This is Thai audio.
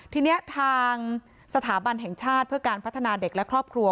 ทีนี้ทางสถาบันแห่งชาติเพื่อการพัฒนาเด็กและครอบครัว